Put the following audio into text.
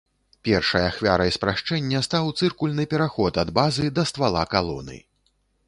Першай ахвярай спрашчэння стаў цыркульны пераход ад базы да ствала калоны.